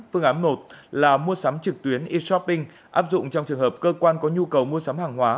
phương án một là mua sắm trực tuyến e shopping áp dụng trong trường hợp cơ quan có nhu cầu mua sắm hàng hóa